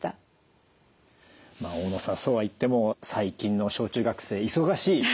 大野さんそうはいっても最近の小中学生忙しい。